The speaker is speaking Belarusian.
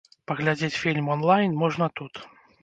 Паглядзець фільм он-лайн можна тут.